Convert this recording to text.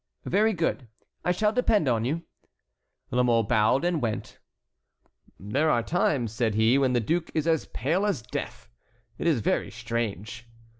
"Very good. I shall depend on you." La Mole bowed and went on. "There are times," said he, "when the duke is as pale as death. It is very strange."